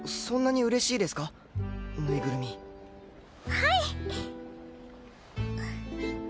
はい！